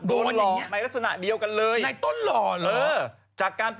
หลอกในลักษณะเดียวกันเลยในต้นหล่อเหรอ